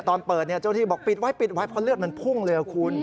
ตอนเปิดเจ้าที่บอกปิดไว้ปิดไว้เพราะเลือดมันพุ่งเลยคุณ